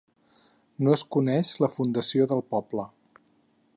No es coneix la fundació del poble.